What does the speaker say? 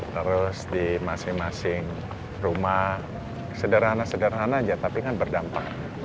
terus di masing masing rumah sederhana sederhana aja tapi kan berdampak